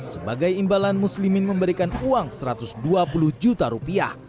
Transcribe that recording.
sebagai imbalan muslimin memberikan uang satu ratus dua puluh juta rupiah